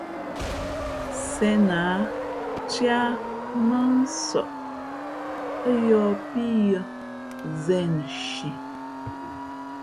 Sēn a cēh ā mά ń nsαꞌ ά yōhpíyʉ̄ᾱ zēn nshi.